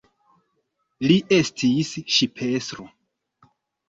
Li estis ŝipestro.